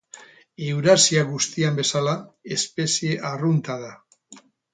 Eurasia guztian bezala, espezie arrunta da.